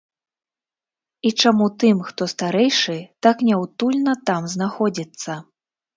І чаму тым, хто старэйшы, так няўтульна там знаходзіцца?